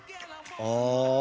ああ！